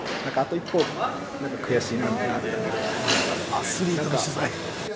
アスリートの取材。